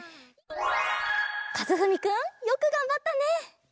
かずふみくんよくがんばったね！